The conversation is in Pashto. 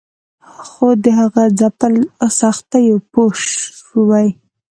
خو د هغه ځپل سختوي پوه شوې!.